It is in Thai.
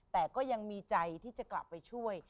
แต่ก็ยังมีใจที่จะกลับไปช่วย